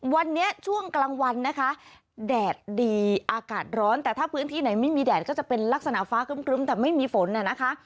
วันนี้ช่วงกลางวันนะคะแดดดีอากาศร้อนแต่ถ้าพื้นที่ไหนไม่มีแดดก็จะเป็นลักษณะฟ้าครึ้มแต่ไม่มีฝนนะคะ